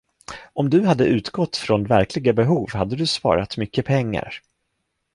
Om du hade utgått från verkliga behov hade du sparat mycket pengar.